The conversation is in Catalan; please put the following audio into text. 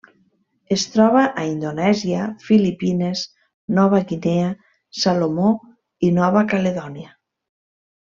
Es troba a Indonèsia, Filipines, Nova Guinea, Salomó i Nova Caledònia.